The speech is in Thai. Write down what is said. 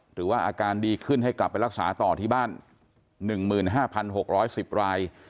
หรือว่าอาการดีขึ้นให้กลับไปรักษาต่อที่บ้าน๑๕๖๑๐ราย